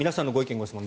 ・ご質問